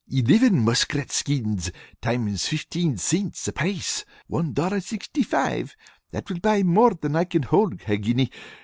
"Elivin muskrat skins, times fifteen cints apiece, one dollar sixty five. That will buy more than I can hold. Hagginy!